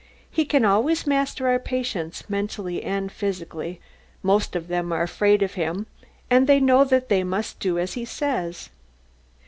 He can always master our patients mentally and physically most of them are afraid of him and they know that they must do as he says.